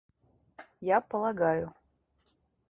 Я полагаю...